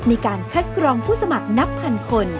ในการคัดกรองผู้สมัครนับพันคน